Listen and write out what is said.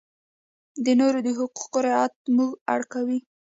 د نورو د حقوقو رعایت موږ اړ کوي.